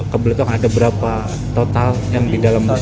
ke belitung ada berapa total yang di dalam bus itu